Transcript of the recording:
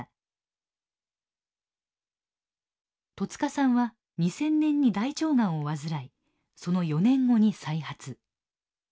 戸塚さんは２０００年に大腸がんを患いその４年後に再発。